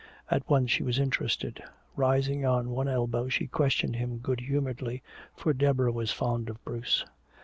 At once she was interested. Rising on one elbow she questioned him good humoredly, for Deborah was fond of Bruce.